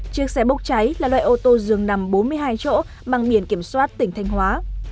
chiếc xe bốc cháy là loại ô tô dường nằm bốn mươi hai chỗ bằng biển kiểm soát tỉnh thanh hóa